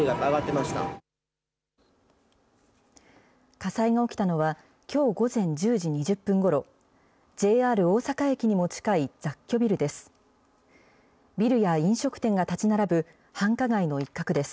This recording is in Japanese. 火災が起きたのはきょう午前１０時２０分ごろ、ＪＲ大阪駅にも近い雑居ビルです。